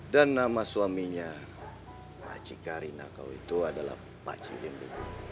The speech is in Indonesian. dan nama suaminya makcik karina kau itu adalah pak cilin betul